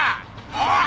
おい！